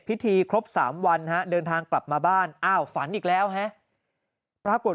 ครบ๓วันฮะเดินทางกลับมาบ้านอ้าวฝันอีกแล้วฮะปรากฏ